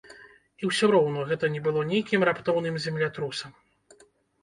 І ўсё роўна гэта не было нейкім раптоўным землятрусам.